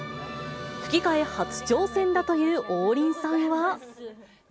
吹き替え初挑戦だという王林さんは。